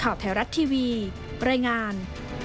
ข่าวแถวรัฐทีวีบริงาร